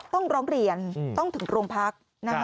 ต้องร้องเรียนต้องถึงโรงพัก